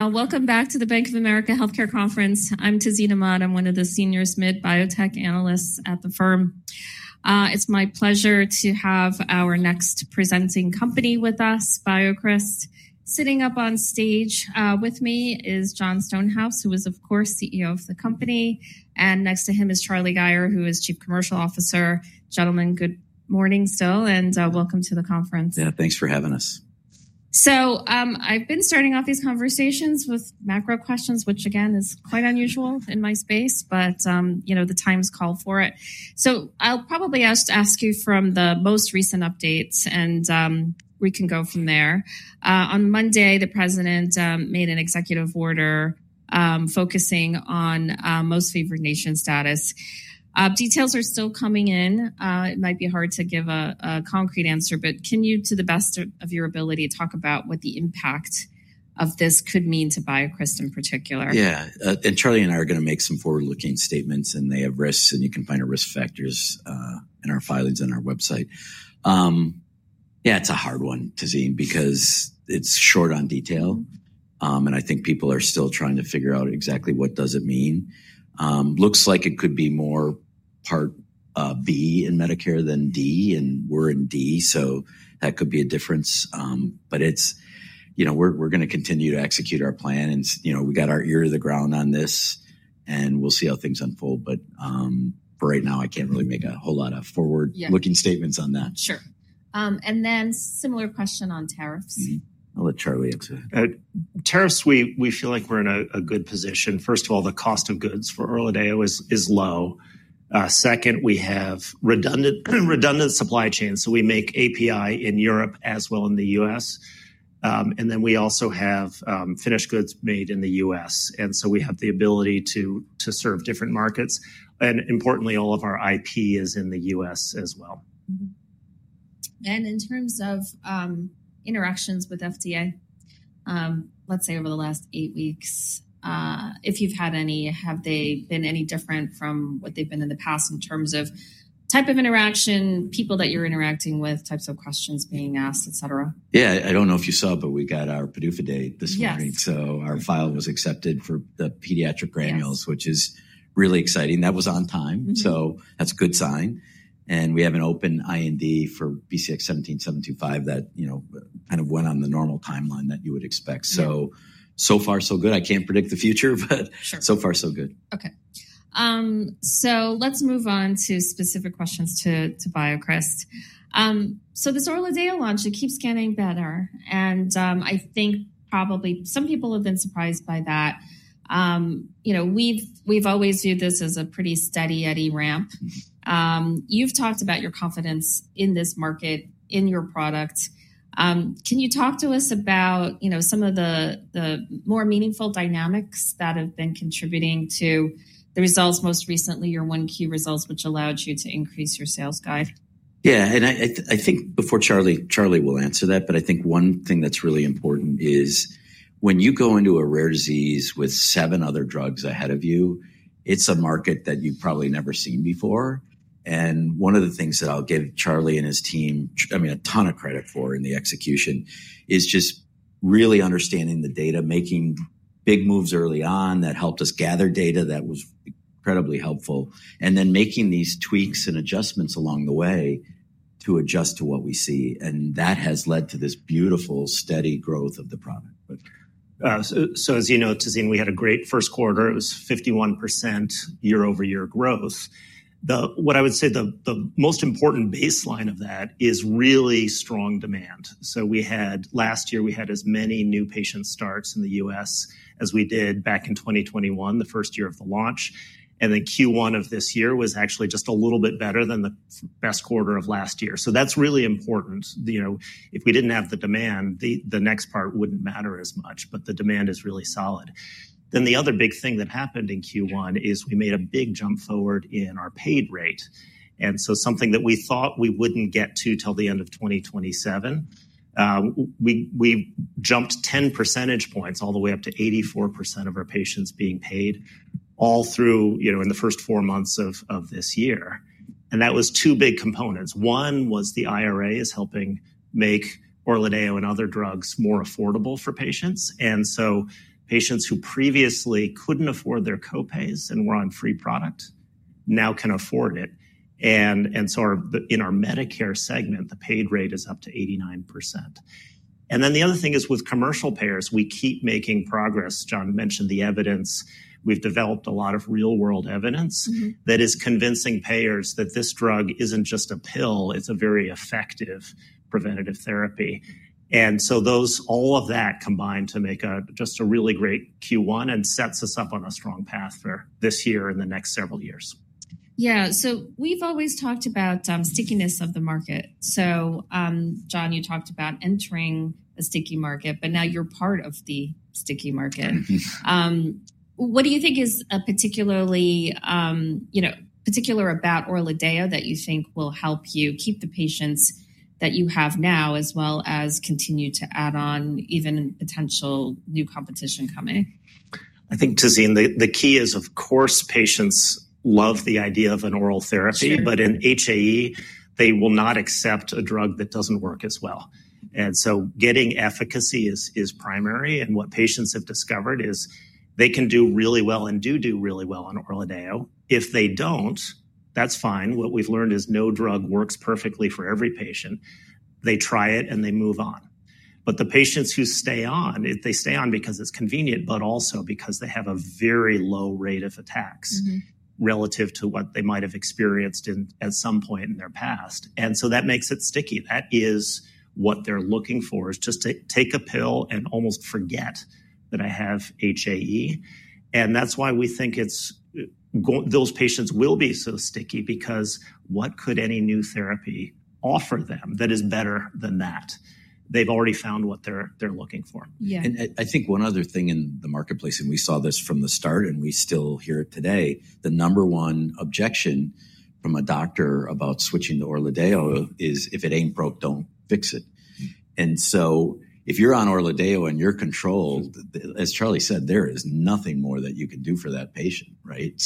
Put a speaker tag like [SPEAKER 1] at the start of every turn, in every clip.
[SPEAKER 1] Welcome back to the Bank of America Healthcare Conference. I'm Tazeen Ahmad, I'm one of the senior SMID biotech analysts at the firm. It's my pleasure to have our next presenting company with us, BioCryst. Sitting up on stage with me is Jon Stonehouse, who is, of course, CEO of the company. Next to him is Charlie Gayer, who is Chief Commercial Officer. Gentlemen, good morning still, and welcome to the conference.
[SPEAKER 2] Yeah, thanks for having us.
[SPEAKER 1] I've been starting off these conversations with macro questions, which, again, is quite unusual in my space, but the time's called for it. I'll probably just ask you from the most recent updates, and we can go from there. On Monday, the president made an executive order focusing on most favored nation status. Details are still coming in. It might be hard to give a concrete answer, but can you, to the best of your ability, talk about what the impact of this could mean to BioCryst in particular?
[SPEAKER 2] Yeah, and Charlie and I are going to make some forward-looking statements, and they have risks, and you can find our risk factors in our filings on our website. Yeah, it's a hard one, Tiziana, because it's short on detail, and I think people are still trying to figure out exactly what does it mean. Looks like it could be more part B in Medicare than D, and we're in D, so that could be a difference. We're going to continue to execute our plan, and we got our ear to the ground on this, and we'll see how things unfold. For right now, I can't really make a whole lot of forward-looking statements on that.
[SPEAKER 1] Sure. A similar question on tariffs.
[SPEAKER 2] I'll let Charlie answer that. Tariffs, we feel like we're in a good position. First of all, the cost of goods for ORLADEYO is low. Second, we have redundant supply chains, so we make API in Europe as well as in the U.S. We also have finished goods made in the U.S., and we have the ability to serve different markets. Importantly, all of our IP is in the U.S. as well.
[SPEAKER 1] In terms of interactions with FDA, let's say over the last eight weeks, if you've had any, have they been any different from what they've been in the past in terms of type of interaction, people that you're interacting with, types of questions being asked, et cetera?
[SPEAKER 2] Yeah, I don't know if you saw, but we got our PDUFA day this morning, so our file was accepted for the pediatric granules, which is really exciting. That was on time, so that's a good sign. We have an open IND for BCX17725 that kind of went on the normal timeline that you would expect. So far, so good. I can't predict the future, but so far, so good.
[SPEAKER 1] Okay. Let's move on to specific questions to BioCryst. This ORLADEYO launch keeps getting better, and I think probably some people have been surprised by that. We've always viewed this as a pretty steady eddy ramp. You've talked about your confidence in this market, in your product. Can you talk to us about some of the more meaningful dynamics that have been contributing to the results most recently, your Q1 key results, which allowed you to increase your sales guide?
[SPEAKER 2] Yeah, I think before Charlie will answer that, I think one thing that's really important is when you go into a rare disease with seven other drugs ahead of you, it's a market that you've probably never seen before. One of the things that I'll give Charlie and his team, I mean, a ton of credit for in the execution, is just really understanding the data, making big moves early on that helped us gather data that was incredibly helpful, and then making these tweaks and adjustments along the way to adjust to what we see. That has led to this beautiful, steady growth of the product.
[SPEAKER 3] As you know, Tazeen, we had a great first quarter. It was 51% year-over-year growth. What I would say the most important baseline of that is really strong demand. Last year, we had as many new patient starts in the U.S. as we did back in 2021, the first year of the launch. Q1 of this year was actually just a little bit better than the best quarter of last year. That is really important. If we did not have the demand, the next part would not matter as much, but the demand is really solid. The other big thing that happened in Q1 is we made a big jump forward in our paid rate. Something that we thought we would not get to until the end of 2027, we jumped 10 percentage points all the way up to 84% of our patients being paid all through in the first four months of this year. That was two big components. One was the IRA is helping make ORLADEYO and other drugs more affordable for patients. Patients who previously could not afford their copays and were on free product now can afford it. In our Medicare segment, the paid rate is up to 89%. The other thing is with commercial payers, we keep making progress. Jon mentioned the evidence. We have developed a lot of real-world evidence that is convincing payers that this drug is not just a pill; it is a very effective preventative therapy. All of that combined to make just a really great Q1 and sets us up on a strong path for this year and the next several years.
[SPEAKER 1] Yeah, so we've always talked about stickiness of the market. Jon, you talked about entering a sticky market, but now you're part of the sticky market. What do you think is particularly about ORLADEYO that you think will help you keep the patients that you have now as well as continue to add on even potential new competition coming?
[SPEAKER 3] I think, Tazeen, the key is, of course, patients love the idea of an oral therapy, but in HAE, they will not accept a drug that does not work as well. Getting efficacy is primary. What patients have discovered is they can do really well and do do really well on ORLADEYO. If they do not, that is fine. What we have learned is no drug works perfectly for every patient. They try it and they move on. The patients who stay on, they stay on because it is convenient, but also because they have a very low rate of attacks relative to what they might have experienced at some point in their past. That makes it sticky. That is what they are looking for, is just to take a pill and almost forget that I have HAE. That is why we think those patients will be so sticky, because what could any new therapy offer them that is better than that? They have already found what they are looking for.
[SPEAKER 2] Yeah, and I think one other thing in the marketplace, and we saw this from the start and we still hear it today, the number one objection from a doctor about switching to ORLADEYO is if it ain't broke, don't fix it. If you're on ORLADEYO and you're controlled, as Charlie said, there is nothing more that you can do for that patient, right?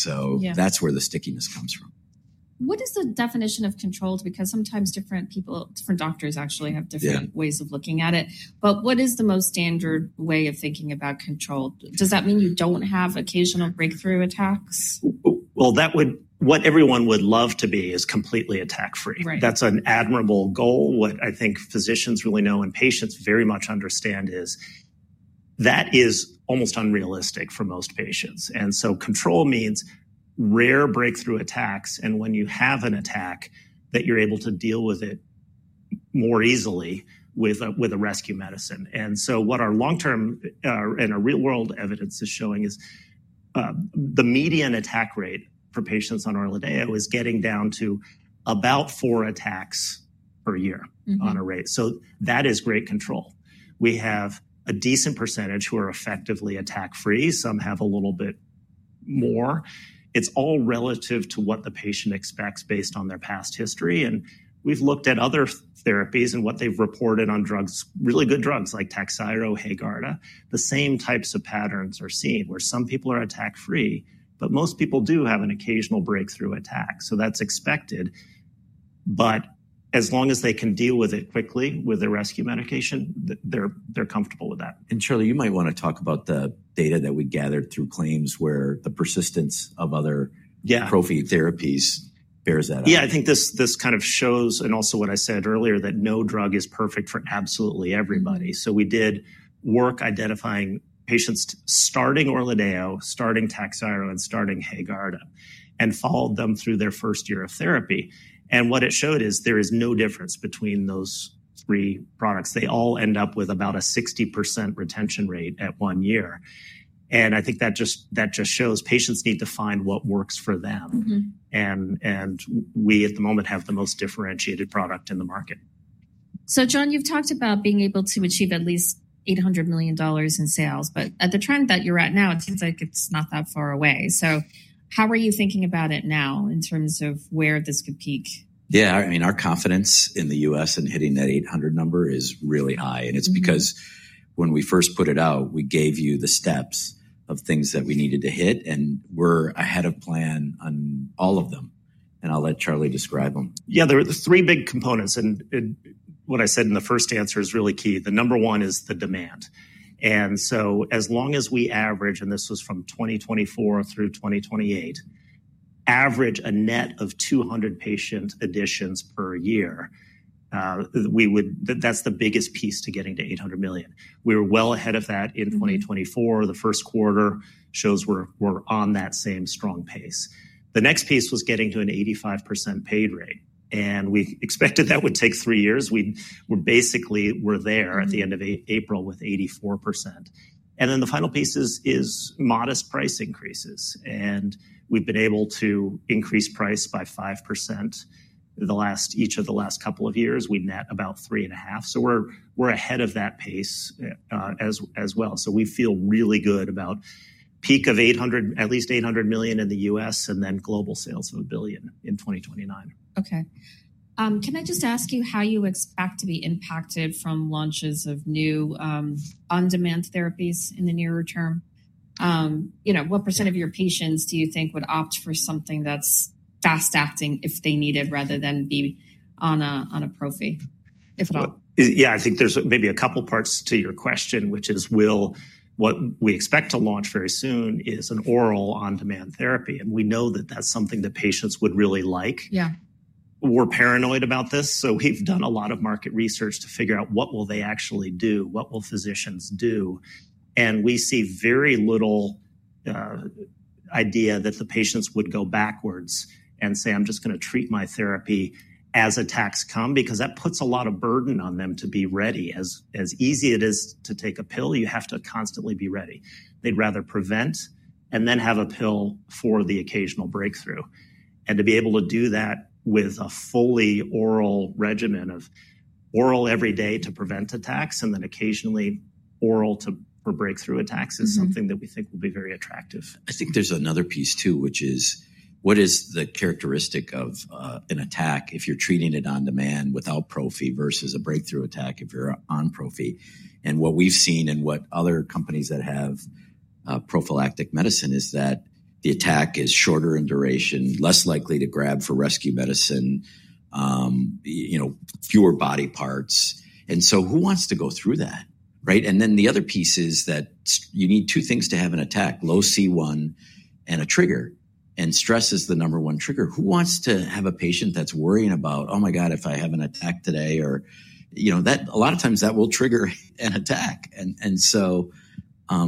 [SPEAKER 2] That is where the stickiness comes from.
[SPEAKER 1] What is the definition of controlled? Because sometimes different people, different doctors actually have different ways of looking at it. What is the most standard way of thinking about controlled? Does that mean you do not have occasional breakthrough attacks?
[SPEAKER 3] What everyone would love to be is completely attack-free. That's an admirable goal. What I think physicians really know and patients very much understand is that is almost unrealistic for most patients. Control means rare breakthrough attacks, and when you have an attack, that you're able to deal with it more easily with a rescue medicine. What our long-term and our real-world evidence is showing is the median attack rate for patients on ORLADEYO is getting down to about four attacks per year on a rate. That is great control. We have a decent percentage who are effectively attack-free. Some have a little bit more. It's all relative to what the patient expects based on their past history. We've looked at other therapies and what they've reported on drugs, really good drugs like TAKHZYRO or HAEGARDA. The same types of patterns are seen where some people are attack-free, but most people do have an occasional breakthrough attack. That is expected. As long as they can deal with it quickly with a rescue medication, they are comfortable with that.
[SPEAKER 2] Charlie, you might want to talk about the data that we gathered through claims where the persistence of other trophy therapies bears that out.
[SPEAKER 3] Yeah, I think this kind of shows, and also what I said earlier, that no drug is perfect for absolutely everybody. We did work identifying patients starting ORLADEYO, starting TAKHZYRO, and starting HAEGARDA, and followed them through their first year of therapy. What it showed is there is no difference between those three products. They all end up with about a 60% retention rate at one year. I think that just shows patients need to find what works for them. We, at the moment, have the most differentiated product in the market.
[SPEAKER 1] Jon, you've talked about being able to achieve at least $800 million in sales, but at the trend that you're at now, it seems like it's not that far away. How are you thinking about it now in terms of where this could peak?
[SPEAKER 2] Yeah, I mean, our confidence in the U.S. in hitting that 800 number is really high. It is because when we first put it out, we gave you the steps of things that we needed to hit, and we're ahead of plan on all of them. I'll let Charlie describe them.
[SPEAKER 3] Yeah, there are three big components. What I said in the first answer is really key. The number one is the demand. As long as we average, and this was from 2024 through 2028, average a net of 200 patient additions per year, that's the biggest piece to getting to $800 million. We were well ahead of that in 2024. The first quarter shows we're on that same strong pace. The next piece was getting to an 85% paid rate. We expected that would take three years. We're basically there at the end of April with 84%. The final piece is modest price increases. We've been able to increase price by 5% each of the last couple of years. We met about three and a half. We're ahead of that pace as well. We feel really good about peak of at least $800 million in the U.S. and then global sales of $1 billion in 2029.
[SPEAKER 1] Okay. Can I just ask you how you expect to be impacted from launches of new on-demand therapies in the nearer term? What % of your patients do you think would opt for something that's fast-acting if they need it rather than be on a prophylactic, if at all?
[SPEAKER 3] Yeah, I think there's maybe a couple of parts to your question, which is what we expect to launch very soon is an oral on-demand therapy. We know that that's something that patients would really like. We're paranoid about this, so we've done a lot of market research to figure out what will they actually do, what will physicians do. We see very little idea that the patients would go backwards and say, "I'm just going to treat my therapy as attacks come," because that puts a lot of burden on them to be ready. As easy as it is to take a pill, you have to constantly be ready. They'd rather prevent and then have a pill for the occasional breakthrough. To be able to do that with a fully oral regimen of oral every day to prevent attacks and then occasionally oral for breakthrough attacks is something that we think will be very attractive.
[SPEAKER 2] I think there's another piece too, which is what is the characteristic of an attack if you're treating it on demand without prophylactic therapy versus a breakthrough attack if you're on prophylactic therapy. What we've seen and what other companies that have prophylactic medicine have seen is that the attack is shorter in duration, less likely to grab for rescue medicine, fewer body parts. Who wants to go through that, right? The other piece is that you need two things to have an attack: low C1 and a trigger. Stress is the number one trigger. Who wants to have a patient that's worrying about, "Oh my God, if I have an attack today?" A lot of times that will trigger an attack. It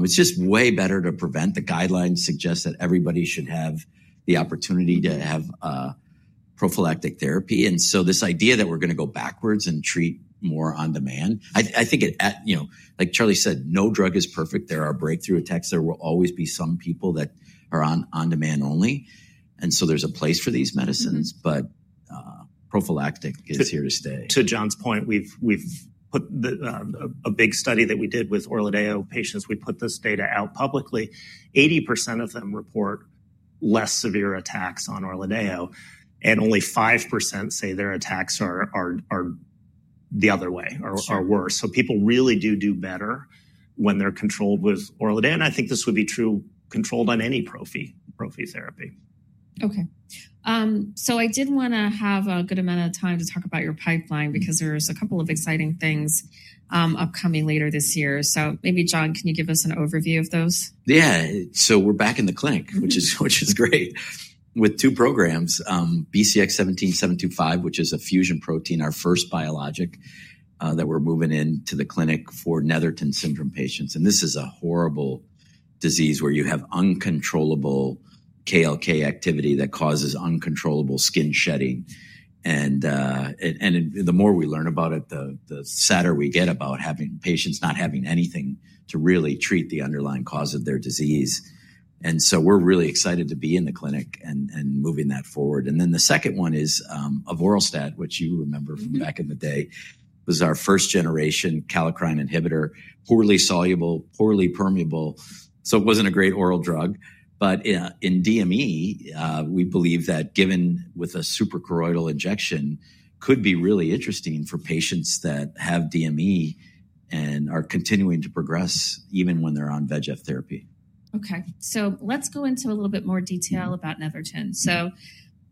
[SPEAKER 2] is just way better to prevent. The guidelines suggest that everybody should have the opportunity to have prophylactic therapy. This idea that we're going to go backwards and treat more on demand, I think, like Charlie said, no drug is perfect. There are breakthrough attacks. There will always be some people that are on demand only. There is a place for these medicines, but prophylactic is here to stay.
[SPEAKER 3] To Jon's point, we've put a big study that we did with ORLADEYO patients. We put this data out publicly. 80% of them report less severe attacks on ORLADEYO, and only 5% say their attacks are the other way or worse. People really do do better when they're controlled with ORLADEYO. I think this would be true controlled on any prophylactic therapy.
[SPEAKER 1] Okay. I did want to have a good amount of time to talk about your pipeline because there's a couple of exciting things upcoming later this year. Maybe, Jon, can you give us an overview of those?
[SPEAKER 2] Yeah, so we're back in the clinic, which is great, with two programs, BCX17725, which is a fusion protein, our first biologic that we're moving into the clinic for Netherton syndrome patients. This is a horrible disease where you have uncontrollable KLK activity that causes uncontrollable skin shedding. The more we learn about it, the sadder we get about having patients not having anything to really treat the underlying cause of their disease. We're really excited to be in the clinic and moving that forward. The second one is of avoralstat, which you remember from back in the day. It was our first-generation kallikrein inhibitor, poorly soluble, poorly permeable. It wasn't a great oral drug. In DME, we believe that given with a suprachoroidal injection could be really interesting for patients that have DME and are continuing to progress even when they're on VEGF therapy.
[SPEAKER 1] Okay. Let's go into a little bit more detail about Netherton.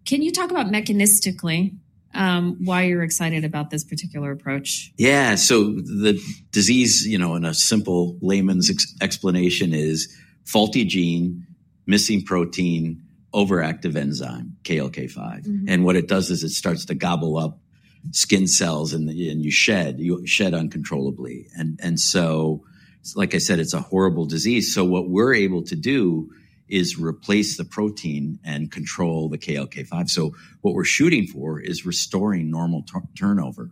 [SPEAKER 1] Can you talk about mechanistically why you're excited about this particular approach?
[SPEAKER 2] Yeah, so the disease, in a simple layman's explanation, is faulty gene, missing protein, overactive enzyme, KLK5. What it does is it starts to gobble up skin cells and you shed uncontrollably. Like I said, it's a horrible disease. What we're able to do is replace the protein and control the KLK5. What we're shooting for is restoring normal turnover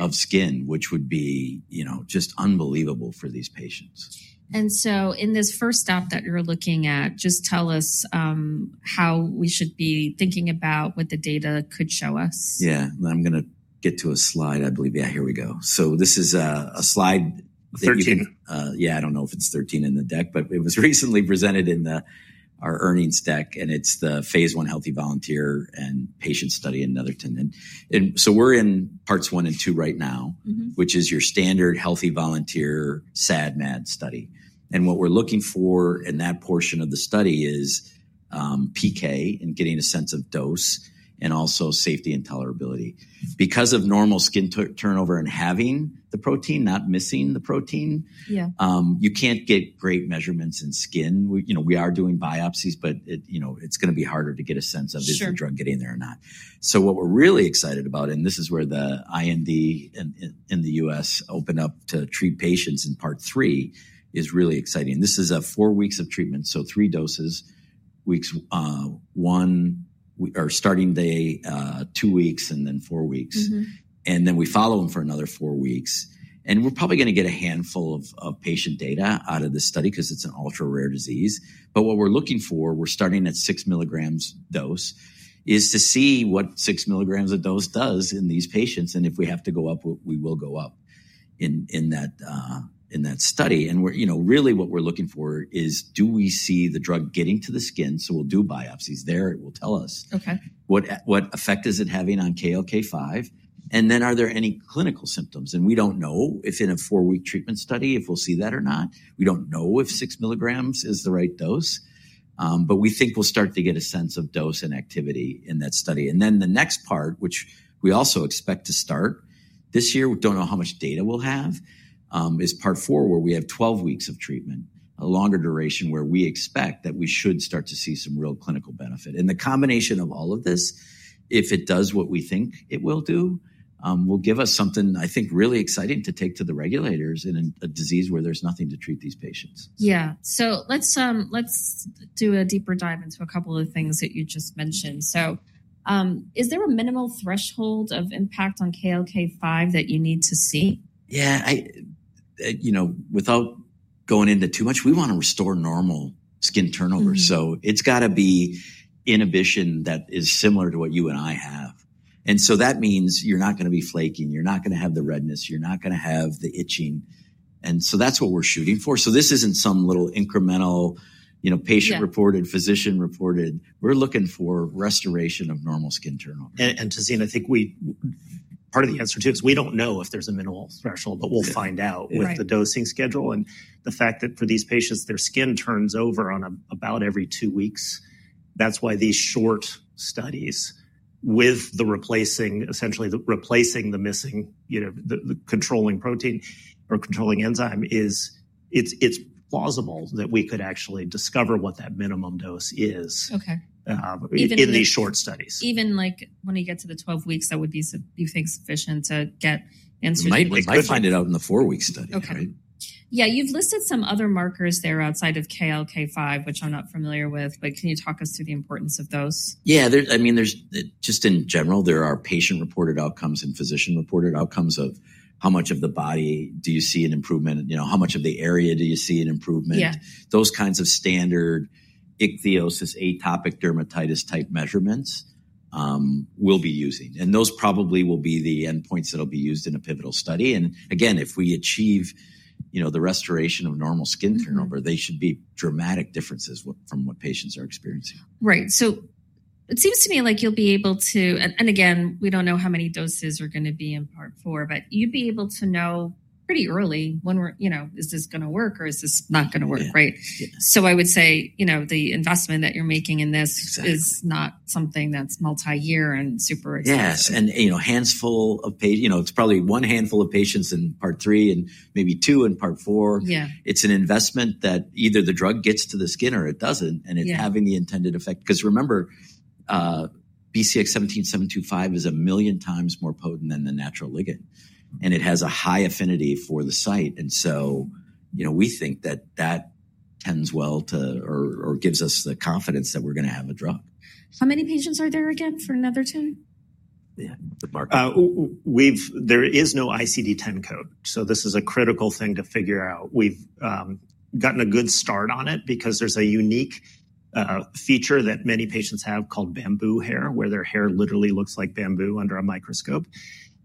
[SPEAKER 2] of skin, which would be just unbelievable for these patients.
[SPEAKER 1] In this first stop that you're looking at, just tell us how we should be thinking about what the data could show us.
[SPEAKER 2] Yeah, and I'm going to get to a slide, I believe. Yeah, here we go. This is a slide.
[SPEAKER 3] 13.
[SPEAKER 2] Yeah, I don't know if it's 13 in the deck, but it was recently presented in our earnings deck, and it's the phase one healthy volunteer and patient study in Netherton. We are in parts one and two right now, which is your standard healthy volunteer SAD/MAD study. What we're looking for in that portion of the study is PK and getting a sense of dose and also safety and tolerability. Because of normal skin turnover and having the protein, not missing the protein, you can't get great measurements in skin. We are doing biopsies, but it's going to be harder to get a sense of is your drug getting there or not. What we're really excited about, and this is where the IND in the U.S. opened up to treat patients in part three, is really exciting. This is four weeks of treatment, so three doses. Weeks one are starting day two weeks and then four weeks. Then we follow them for another four weeks. We're probably going to get a handful of patient data out of this study because it's an ultra-rare disease. What we're looking for, we're starting at 6 mg dose, is to see what 6 mg of dose does in these patients. If we have to go up, we will go up in that study. Really what we're looking for is do we see the drug getting to the skin? We'll do biopsies there. It will tell us what effect is it having on KLK5. Are there any clinical symptoms? We don't know if in a four-week treatment study if we'll see that or not. We don't know if 6 mg is the right dose. We think we'll start to get a sense of dose and activity in that study. The next part, which we also expect to start this year, we do not know how much data we'll have, is part four where we have 12 weeks of treatment, a longer duration where we expect that we should start to see some real clinical benefit. The combination of all of this, if it does what we think it will do, will give us something, I think, really exciting to take to the regulators in a disease where there is nothing to treat these patients.
[SPEAKER 1] Yeah. Let's do a deeper dive into a couple of things that you just mentioned. Is there a minimal threshold of impact on KLK5 that you need to see?
[SPEAKER 2] Yeah. Without going into too much, we want to restore normal skin turnover. It has to be inhibition that is similar to what you and I have. That means you are not going to be flaking. You are not going to have the redness. You are not going to have the itching. That is what we are shooting for. This is not some little incremental patient-reported, physician-reported. We are looking for restoration of normal skin turnover.
[SPEAKER 3] Tazeen, I think part of the answer too is we don't know if there's a minimal threshold, but we'll find out with the dosing schedule. The fact that for these patients, their skin turns over on about every two weeks, that's why these short studies with essentially replacing the missing controlling protein or controlling enzyme, it's plausible that we could actually discover what that minimum dose is in these short studies.
[SPEAKER 1] Even when you get to the 12 weeks, that would be, you think, sufficient to get answers?
[SPEAKER 2] I could find it out in the four-week study, right?
[SPEAKER 1] Yeah, you've listed some other markers there outside of KLK5, which I'm not familiar with, but can you talk us through the importance of those?
[SPEAKER 2] Yeah, I mean, just in general, there are patient-reported outcomes and physician-reported outcomes of how much of the body do you see an improvement, how much of the area do you see an improvement. Those kinds of standard ichthyosis, atopic dermatitis type measurements we'll be using. Those probably will be the endpoints that will be used in a pivotal study. If we achieve the restoration of normal skin turnover, they should be dramatic differences from what patients are experiencing.
[SPEAKER 1] Right. It seems to me like you'll be able to, and again, we don't know how many doses are going to be in part four, but you'd be able to know pretty early when we're, is this going to work or is this not going to work, right? I would say the investment that you're making in this is not something that's multi-year and super expensive.
[SPEAKER 2] Yes. It's probably one handful of patients in part three and maybe two in part four. It's an investment that either the drug gets to the skin or it doesn't. It's having the intended effect. Because remember, BCX17725 is a million times more potent than the natural ligand. It has a high affinity for the site. We think that that tends well to or gives us the confidence that we're going to have a drug.
[SPEAKER 1] How many patients are there again for Netherton?
[SPEAKER 3] There is no ICD-10 code. This is a critical thing to figure out. We've gotten a good start on it because there's a unique feature that many patients have called bamboo hair, where their hair literally looks like bamboo under a microscope.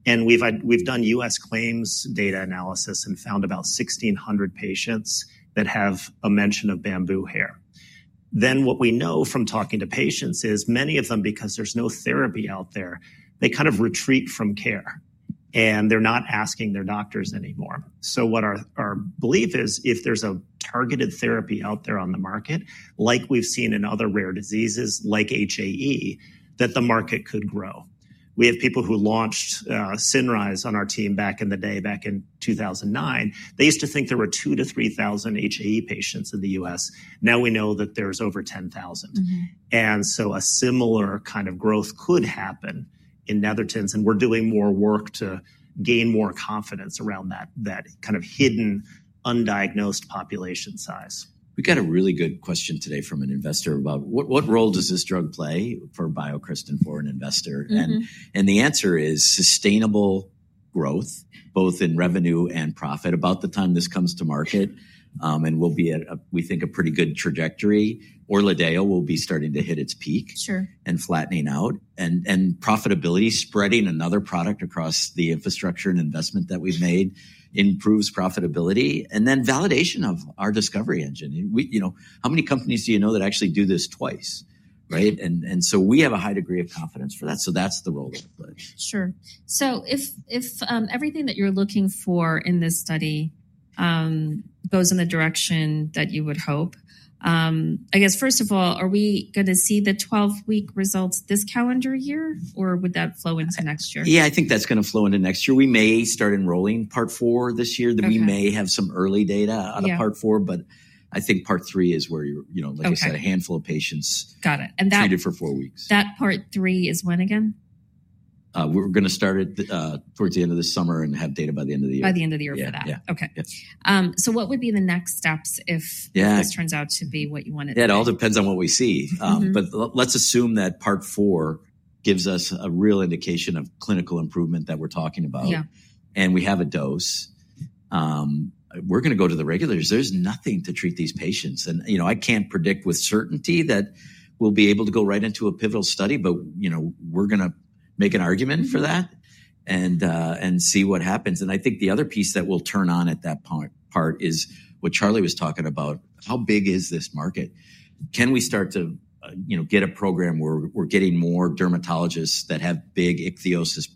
[SPEAKER 3] We've done US claims data analysis and found about 1,600 patients that have a mention of bamboo hair. What we know from talking to patients is many of them, because there's no therapy out there, kind of retreat from care. They're not asking their doctors anymore. Our belief is, if there's a targeted therapy out there on the market, like we've seen in other rare diseases like HAE, the market could grow. We have people who launched Synrise on our team back in the day, back in 2009. They used to think there were 2,000-3,000 HAE patients in the U.S. Now we know that there's over 10,000. A similar kind of growth could happen in Netherton's. We're doing more work to gain more confidence around that kind of hidden, undiagnosed population size.
[SPEAKER 2] We got a really good question today from an investor about what role does this drug play for BioCryst for an investor? The answer is sustainable growth, both in revenue and profit. About the time this comes to market, and we will be, we think, a pretty good trajectory. ORLADEYO will be starting to hit its peak and flattening out. Profitability, spreading another product across the infrastructure and investment that we have made improves profitability. Validation of our discovery engine. How many companies do you know that actually do this twice, right? We have a high degree of confidence for that. That is the role it plays.
[SPEAKER 1] Sure. If everything that you're looking for in this study goes in the direction that you would hope, I guess, first of all, are we going to see the 12-week results this calendar year, or would that flow into next year?
[SPEAKER 2] Yeah, I think that's going to flow into next year. We may start enrolling part four this year. We may have some early data out of part four, but I think part three is where, like I said, a handful of patients treated for four weeks.
[SPEAKER 1] That part three is when again?
[SPEAKER 2] We're going to start it towards the end of the summer and have data by the end of the year.
[SPEAKER 1] By the end of the year for that.
[SPEAKER 2] Yeah.
[SPEAKER 1] Okay. What would be the next steps if this turns out to be what you wanted?
[SPEAKER 2] Yeah, it all depends on what we see. Let's assume that part four gives us a real indication of clinical improvement that we're talking about, and we have a dose. We're going to go to the regulators. There's nothing to treat these patients. I can't predict with certainty that we'll be able to go right into a pivotal study, but we're going to make an argument for that and see what happens. I think the other piece that we'll turn on at that part is what Charlie was talking about. How big is this market? Can we start to get a program where we're getting more dermatologists that have big ichthyosis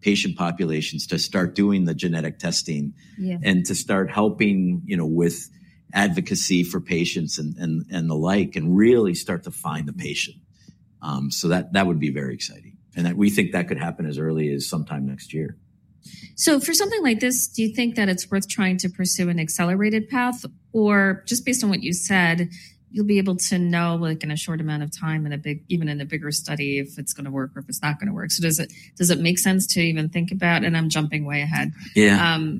[SPEAKER 2] patient populations to start doing the genetic testing and to start helping with advocacy for patients and the like and really start to find the patient? That would be very exciting. We think that could happen as early as sometime next year.
[SPEAKER 1] For something like this, do you think that it's worth trying to pursue an accelerated path? Or just based on what you said, you'll be able to know in a short amount of time and even in a bigger study if it's going to work or if it's not going to work. Does it make sense to even think about, and I'm jumping way ahead,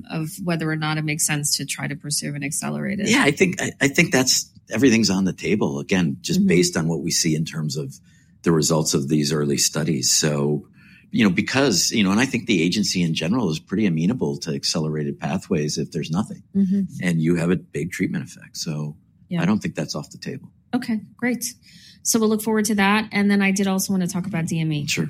[SPEAKER 1] of whether or not it makes sense to try to pursue an accelerated?
[SPEAKER 2] Yeah, I think everything's on the table, again, just based on what we see in terms of the results of these early studies. I think the agency in general is pretty amenable to accelerated pathways if there's nothing. You have a big treatment effect. I don't think that's off the table.
[SPEAKER 1] Okay, great. We'll look forward to that. I did also want to talk about DME.
[SPEAKER 2] Sure.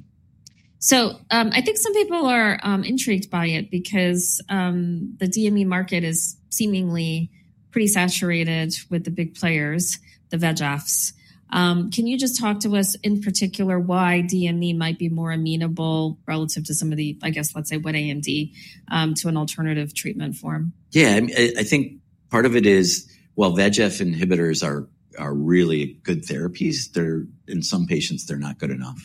[SPEAKER 1] I think some people are intrigued by it because the DME market is seemingly pretty saturated with the big players, the VEGFs. Can you just talk to us in particular why DME might be more amenable relative to some of the, I guess, let's say, what AMD to an alternative treatment form?
[SPEAKER 2] Yeah, I think part of it is, while VEGF inhibitors are really good therapies, in some patients, they're not good enough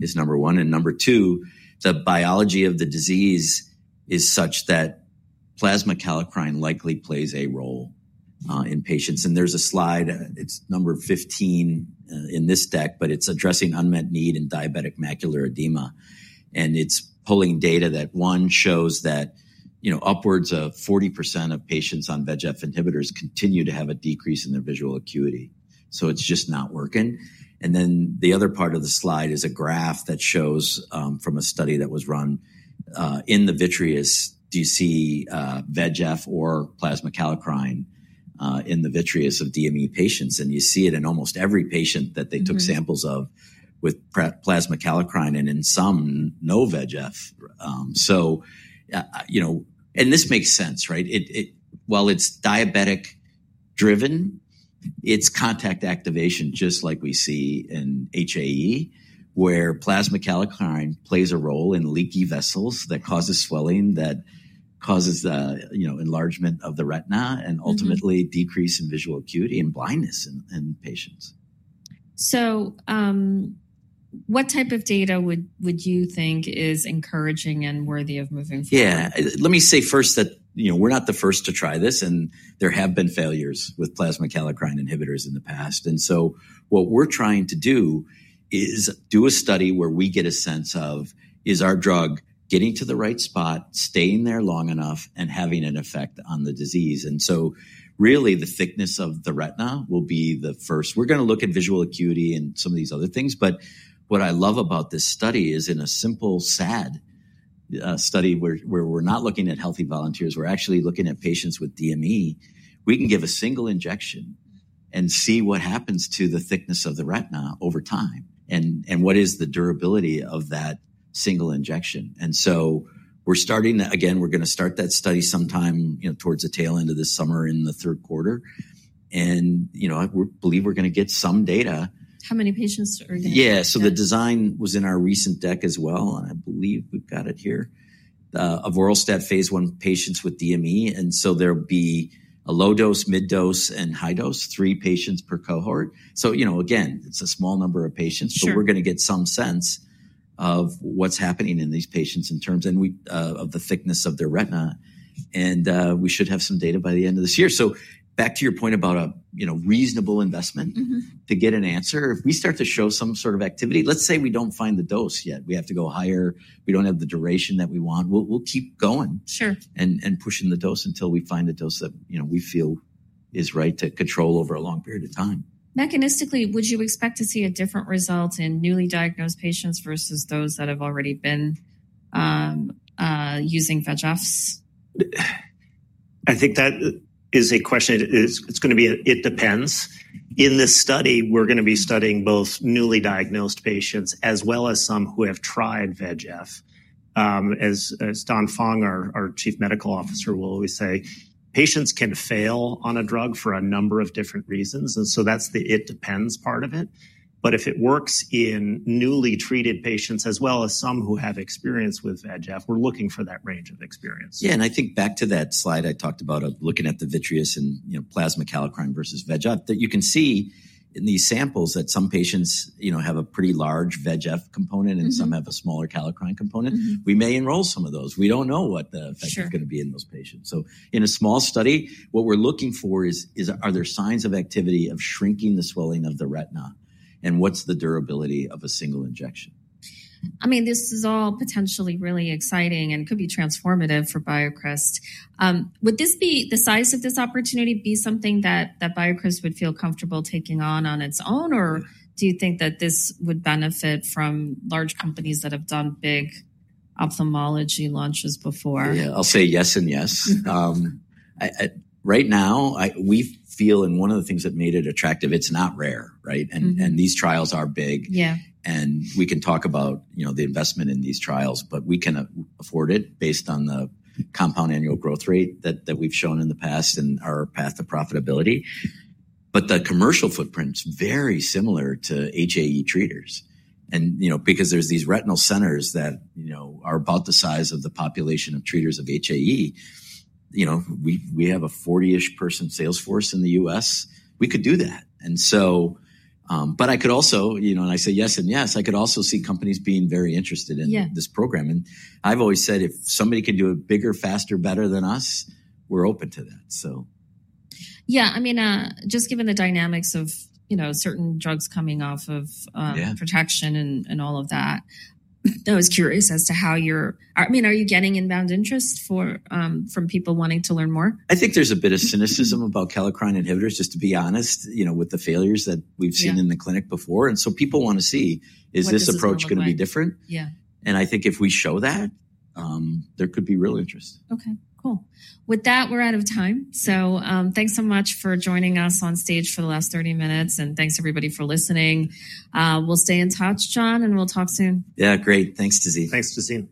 [SPEAKER 2] is number one. Number two, the biology of the disease is such that plasma kallikrein likely plays a role in patients. There's a slide, it's number 15 in this deck, but it's addressing unmet need in diabetic macular edema. It's pulling data that, one, shows that upwards of 40% of patients on VEGF inhibitors continue to have a decrease in their visual acuity. It's just not working. The other part of the slide is a graph that shows from a study that was run in the vitreous, do you see VEGF or plasma kallikrein in the vitreous of DME patients? You see it in almost every patient that they took samples of with plasma kallikrein and in some no VEGF. This makes sense, right? While it's diabetic-driven, it's contact activation just like we see in HAE, where plasma kallikrein plays a role in leaky vessels that causes swelling that causes enlargement of the retina and ultimately decrease in visual acuity and blindness in patients.
[SPEAKER 1] What type of data would you think is encouraging and worthy of moving forward?
[SPEAKER 2] Yeah. Let me say first that we're not the first to try this. There have been failures with plasma kallikrein inhibitors in the past. What we're trying to do is do a study where we get a sense of, is our drug getting to the right spot, staying there long enough, and having an effect on the disease? Really, the thickness of the retina will be the first. We're going to look at visual acuity and some of these other things. What I love about this study is in a simple, sad study where we're not looking at healthy volunteers. We're actually looking at patients with DME. We can give a single injection and see what happens to the thickness of the retina over time and what is the durability of that single injection. We're starting, again, we're going to start that study sometime towards the tail end of this summer in the third quarter. I believe we're going to get some data.
[SPEAKER 1] How many patients are going to?
[SPEAKER 2] Yeah. The design was in our recent deck as well. I believe we've got it here, of ORLADEYO phase I patients with DME. There will be a low dose, mid dose, and high dose, three patients per cohort. Again, it's a small number of patients, but we're going to get some sense of what's happening in these patients in terms of the thickness of their retina. We should have some data by the end of this year. Back to your point about a reasonable investment to get an answer. If we start to show some sort of activity, let's say we don't find the dose yet. We have to go higher. We don't have the duration that we want. We'll keep going and pushing the dose until we find the dose that we feel is right to control over a long period of time.
[SPEAKER 1] Mechanistically, would you expect to see a different result in newly diagnosed patients versus those that have already been using VEGFs?
[SPEAKER 3] I think that is a question. It's going to be, it depends. In this study, we're going to be studying both newly diagnosed patients as well as some who have tried VEGF. As Don Fong, our Chief Medical Officer, will always say, patients can fail on a drug for a number of different reasons. That is the it depends part of it. If it works in newly treated patients as well as some who have experience with VEGF, we're looking for that range of experience.
[SPEAKER 2] Yeah. I think back to that slide I talked about of looking at the vitreous and plasma kallikrein versus VEGF, that you can see in these samples that some patients have a pretty large VEGF component and some have a smaller kallikrein component. We may enroll some of those. We do not know what the effect is going to be in those patients. In a small study, what we are looking for is, are there signs of activity of shrinking the swelling of the retina? What is the durability of a single injection?
[SPEAKER 1] I mean, this is all potentially really exciting and could be transformative for BioCryst. Would the size of this opportunity be something that BioCryst would feel comfortable taking on on its own? Or do you think that this would benefit from large companies that have done big ophthalmology launches before?
[SPEAKER 2] Yeah, I'll say yes and yes. Right now, we feel in one of the things that made it attractive, it's not rare, right? These trials are big. We can talk about the investment in these trials, but we can afford it based on the compound annual growth rate that we've shown in the past and our path to profitability. The commercial footprint is very similar to HAE treaters. Because there are these retinal centers that are about the size of the population of treaters of HAE, we have a 40-ish person salesforce in the U.S. We could do that. I could also, and I say yes and yes, I could also see companies being very interested in this program. I've always said, if somebody can do it bigger, faster, better than us, we're open to that, so.
[SPEAKER 1] Yeah. I mean, just given the dynamics of certain drugs coming off of protection and all of that, I was curious as to how you're, I mean, are you getting inbound interest from people wanting to learn more?
[SPEAKER 2] I think there's a bit of cynicism about kallikrein inhibitors, just to be honest, with the failures that we've seen in the clinic before. And so people want to see, is this approach going to be different?
[SPEAKER 1] Yeah.
[SPEAKER 2] I think if we show that, there could be real interest.
[SPEAKER 1] Okay, cool. With that, we're out of time. Thanks so much for joining us on stage for the last 30 minutes. Thanks, everybody, for listening. We'll stay in touch, Jon, and we'll talk soon.
[SPEAKER 2] Yeah, great. Thanks, Tazeen.
[SPEAKER 3] Thanks, Tazeen.